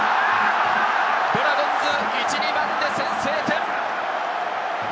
ドラゴンズ１、２番で先制点。